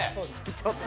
ちょっと。